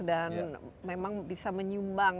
dan memang bisa menyumbang